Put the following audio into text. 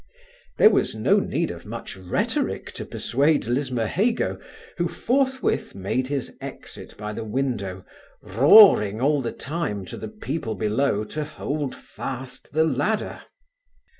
There was no need of much rhetoric to persuade Lismahago, who forthwith made his exit by the window, roaring all the time to the people below to hold fast the ladder.